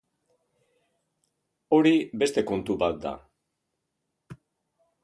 Hori beste kontu bat da.